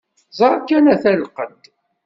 Ẓer kan ata lqedd!